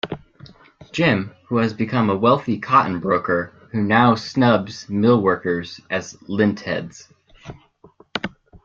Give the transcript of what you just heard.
Jim has become a wealthy cotton broker who now snubs mill workers as "lint-heads".